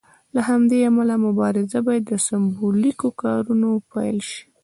له همدې امله مبارزه باید له سمبولیکو کارونو پیل شي.